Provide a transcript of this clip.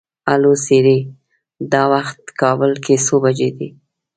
هلو سیري! دا وخت کابل کې څو بجې دي؟